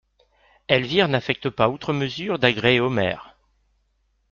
Elvire n'affecte pas outre mesure d'agréer Omer.